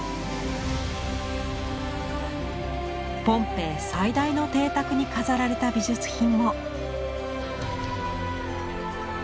ポンペイ最大の邸宅に飾られた美術品も。